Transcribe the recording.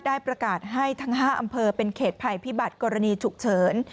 ได้ประกาศให้ทั้ง๕อำเภอเป็นเขตภัยพิบัติกรณีฉุกเฉิน